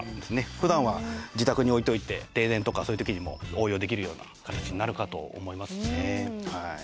ふだんは自宅に置いておいて停電とかそういう時にも応用できるような形になるかと思いますね。